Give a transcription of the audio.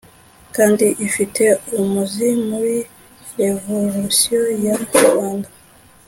kandi ifite umuzi muri revorusiyo ya rubanda